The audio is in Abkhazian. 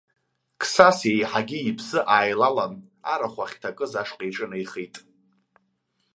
Қсас еиҳагьы иԥсы ааилалан, арахә ахьҭакыз ашҟа иҿынеихеит.